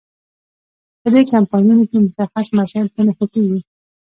په دې کمپاینونو کې مشخص مسایل په نښه کیږي.